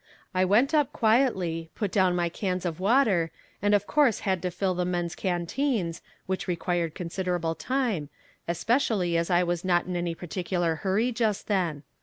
I went up quietly, put down my cans of water, and of course had to fill the men's canteens, which required considerable time, especially as I was not in any particular hurry just then.